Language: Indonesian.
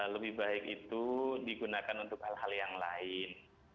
lebih baik itu digunakan untuk hal hal yang lain